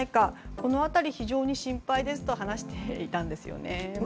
この辺り、非常に心配ですと話していたんですよね。